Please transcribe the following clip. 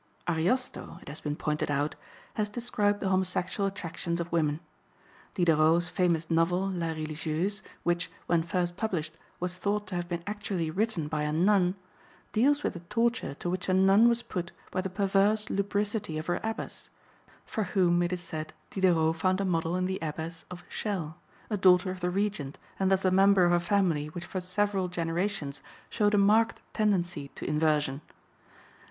Ariosto, it has been pointed out, has described the homosexual attractions of women. Diderot's famous novel, La Religieuse, which, when first published, was thought to have been actually written by a nun, deals with the torture to which a nun was put by the perverse lubricity of her abbess, for whom, it is said, Diderot found a model in the Abbess of Chelles, a daughter of the Regent and thus a member of a family which for several generations showed a marked tendency to inversion.